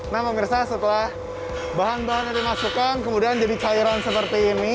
nah pemirsa setelah bahan bahannya dimasukkan kemudian jadi cairan seperti ini